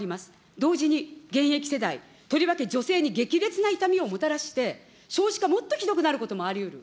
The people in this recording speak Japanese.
同時に現役世代、とりわけ女性に激烈な痛みをもたらして、少子化もっとひどくなることもありうる。